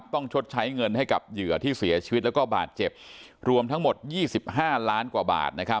ชดใช้เงินให้กับเหยื่อที่เสียชีวิตแล้วก็บาดเจ็บรวมทั้งหมด๒๕ล้านกว่าบาท